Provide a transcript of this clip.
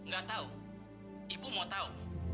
gak tau ibu mau tau